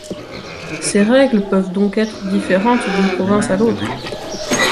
Ces règles peuvent donc être différentes d'une province à l'autre.